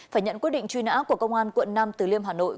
phải nhận quyết định truy nã của công an quận nam từ liêm hà nội